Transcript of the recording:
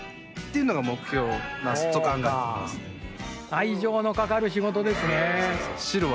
愛情のかかるしごとですね。